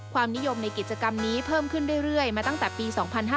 ความนิยมในกิจกรรมนี้เพิ่มขึ้นเรื่อยมาตั้งแต่ปี๒๕๕๙